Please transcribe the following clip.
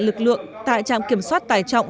lực lượng tại trạm kiểm soát tải trọng